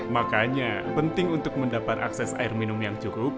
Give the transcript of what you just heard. makanya penting untuk mendapat akses air minum yang cukup